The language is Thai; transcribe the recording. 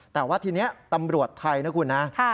แต่ว่าทีนี้ตำรวจไทยนะคุณนะ